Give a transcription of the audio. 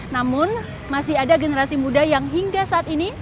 namun masih ada generasi muda yang hingga saat ini